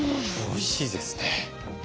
おいしいですね。